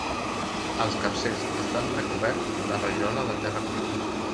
Els capcers estan recoberts de rajola de terra cuita.